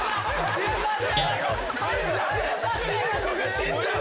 死んじゃう！